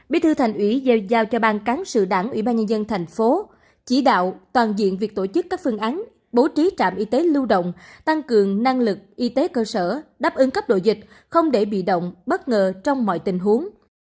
bí thư thành ủy giao cho ban cán sự đảng ủy ban nhân dân thành phố chỉ đạo toàn diện việc tổ chức các phương án bố trí trạm y tế lưu động tăng cường năng lực y tế cơ sở đáp ứng cấp độ dịch không để bị động bất ngờ trong mọi tình huống